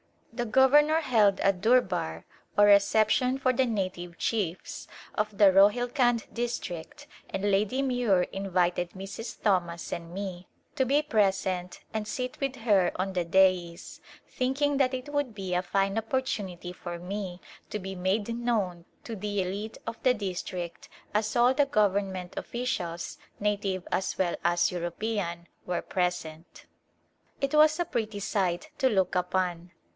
The governor held a durbar or reception A Glmipse of hidia for the native chiefs of the Rohilkund district and Lady Muir invited Mrs. Thomas and me to be pres ent and sit with her on the dais, thinking that it would be a fine opportunity for me to be made known to the elite of the district, as all the government officials, native as well as European, were present. It was a pretty sight to look upon.